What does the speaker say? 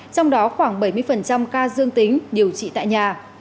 trong đó khoảng bảy mươi ca dương tính điều trị tại nhà